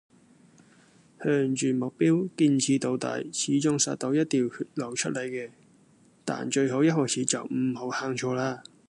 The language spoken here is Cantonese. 向住目標堅持到底，始終殺到一條血路出黎嘅，但最好一開始就唔好行錯啦